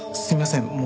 すいません。